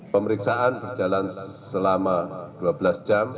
pemeriksaan berjalan selama dua belas jam